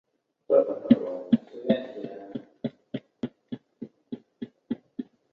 东兴是国家商品粮生产基地和国家瘦肉型猪生产基地。